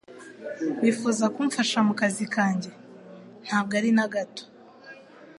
"Wifuza kumfasha mu kazi kanjye?" "Ntabwo ari na gato."